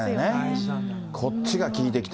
こっちが効いてきた。